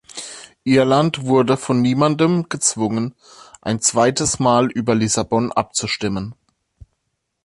Irland wurde von niemandem gezwungen, ein zweites Mal über Lissabon abzustimmen.